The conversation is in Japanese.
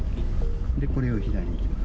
これを左に行きます。